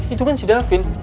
itu kan si davin